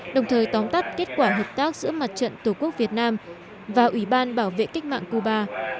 đồng thời tóm tắt kết quả hợp tác giữa mặt trận tổ quốc việt nam và ủy ban bảo vệ cách mạng cuba